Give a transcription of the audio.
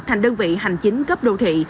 thành đơn vị hành chính cấp đô thị